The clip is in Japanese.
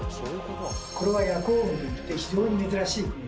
これは「夜光雲」といって非常に珍しい雲です。